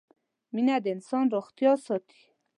مينه د انسان روغتيا ساتي